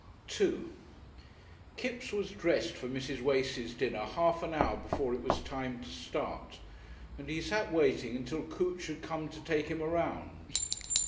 §2 Kipps was dressed for Mrs. Wace's dinner half an hour before it was time to start, and he sat waiting until Coote should come to take him around.